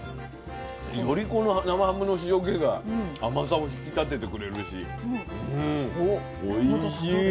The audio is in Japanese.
よりこの生ハムの塩気が甘さを引き立ててくれるしうんおいしい。